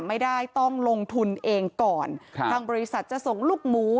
ไม่ได้ต้องลงทุนเองก่อนครับทางบริษัทจะส่งลูกหมู